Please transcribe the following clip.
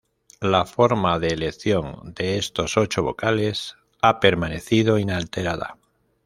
La forma de elección de estos ocho vocales ha permanecido inalterada.